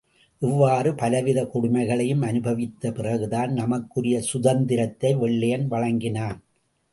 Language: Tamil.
இவ்வாறு பலவித கொடுமைகளையும் அனுபவித்த பிறகுதான் நமக்குரிய சுதந்திரத்தை வெள்ளையன் வழங்கினான்.